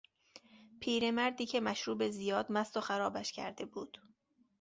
پیرمردی که مشروب زیاد مست و خرابش کرده بود